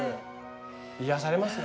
癒やされますね